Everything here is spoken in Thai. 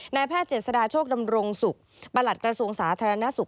นายแพทย์เจษฎาโชคดำรงศุกร์ประหลัดกระทรวงสาธารณสุข